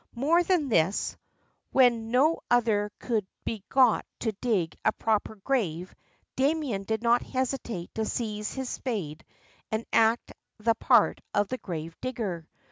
More than this, — when no other could be got to dig a proper grave, Damien did not hesitate to seize his spade and act the part of the grave digger.